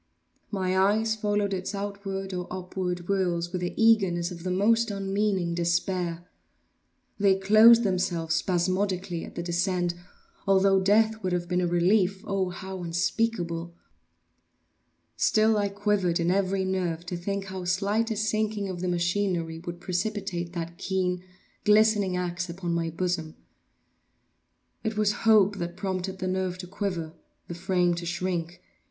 My eyes followed its outward or upward whirls with the eagerness of the most unmeaning despair; they closed themselves spasmodically at the descent, although death would have been a relief, oh, how unspeakable! Still I quivered in every nerve to think how slight a sinking of the machinery would precipitate that keen, glistening axe upon my bosom. It was hope that prompted the nerve to quiver—the frame to shrink.